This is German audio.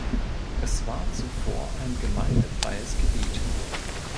Es war zuvor ein gemeindefreies Gebiet.